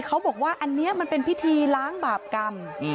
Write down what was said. เขาบอกว่าอันนี้มันเป็นพิธีล้างบาปกรรม